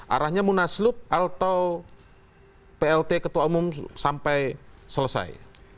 arahnya munaslup atau plt ketua umum sampai selesai